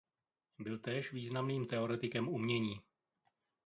Byl též významným teoretikem umění.